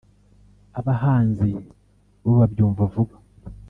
abahanzi bo babyumva vuba